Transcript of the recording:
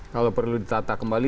kalau perlu ditata kembali